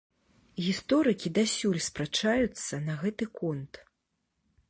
Гісторыкі дасюль спрачаюцца на гэты конт.